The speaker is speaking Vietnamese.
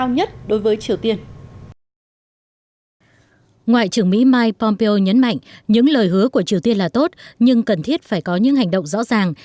ngoại trưởng mỹ mike pompeo nhấn mạnh những lời hứa của triều tiên là tốt nhưng cần thiết phải có những hành động rõ ràng